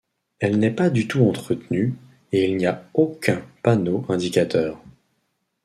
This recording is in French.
Elle n'est pas du tout entretenue, et il n'y a aucun panneau indicateur.